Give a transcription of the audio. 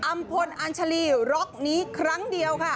พลอัญชาลีร็อกนี้ครั้งเดียวค่ะ